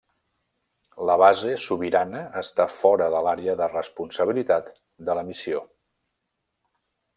La base sobirana està fora de l'àrea de responsabilitat de la missió.